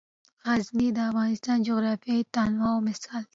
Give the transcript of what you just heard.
غزني د افغانستان د جغرافیوي تنوع مثال دی.